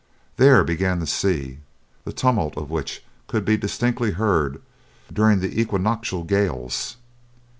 There began the sea, the tumult of which could be distinctly heard during the equinoctial gales.